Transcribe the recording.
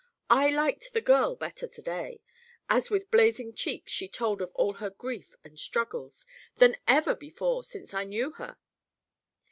I liked the girl better to day, as with blazing cheeks she told of all her grief and struggles, than ever before since I knew her."